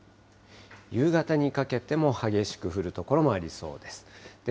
夕方にかけても激しく降る所もありそうです。